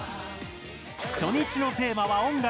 初日のテーマは音楽。